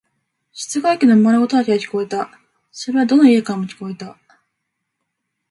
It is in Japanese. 室外機の回る音だけが聞こえた。それはどの家からも聞こえた。